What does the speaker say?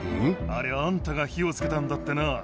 あれ、あんたが火をつけたんだってな。